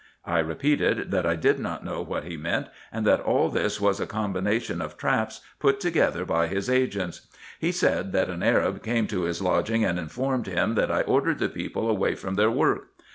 I repeated that I did not know what he meant, and that all tliis was a combination of traps put together by his agents. He said that an Arab came to his lodging, and informed him that I ordered the people away from their work.